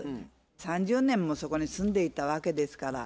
３０年もそこに住んでいたわけですから。